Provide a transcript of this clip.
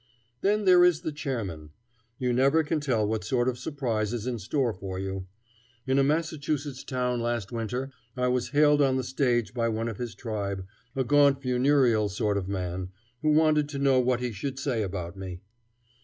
Then there is the chairman. You never can tell what sort of surprise is in store for you. In a Massachusetts town last winter I was hailed on the stage by one of his tribe, a gaunt, funereal sort of man, who wanted to know what he should say about me.